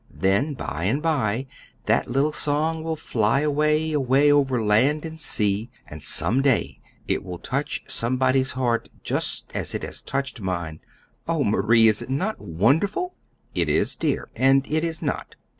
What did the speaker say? Then by and by, that little song will fly away, away, over land and sea; and some day it will touch somebody's heart just as it has touched mine. Oh, Marie, is it not wonderful?" "It is, dear and it is not.